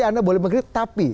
anda boleh mengkritik tapi